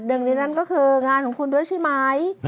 หนึ่งในนั้นก็คืองานของคุณด้วยใช่ไหม